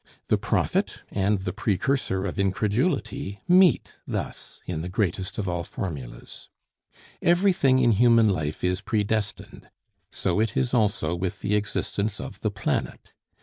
The prophet and the precursor of incredulity meet thus in the greatest of all formulas. Everything in human life is predestined, so it is also with the existence of the planet.